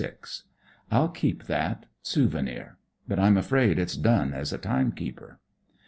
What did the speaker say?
I'll keep that ; souvenir ; but I'm afraid it's done as a timekeeper.